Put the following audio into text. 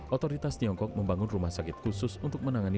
otoritas tiongkok membangun rumah sakit khusus untuk menangani